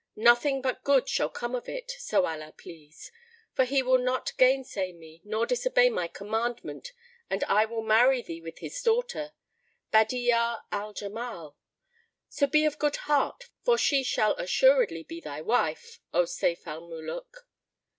Nothing but good shall come of it, so Allah please, for he will not gainsay me nor disobey my commandment and I will marry thee with his daughter Badi'a al Jamal. So be of good heart for she shall assuredly be thy wife, O Sayf al Muluk."